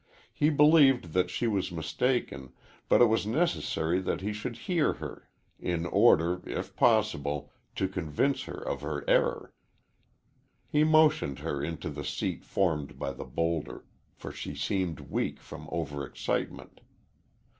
He believed that she was mistaken, but it was necessary that he should hear her, in order, if possible to convince her of her error. He motioned her into the seat formed by the bowlder, for she seemed weak from over excitement.